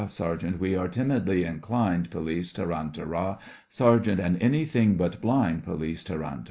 SERGEANT: We are timidly inclined, POLICE: Tarantara! SERGEANT: And anything but blind POLICE: Tarantara!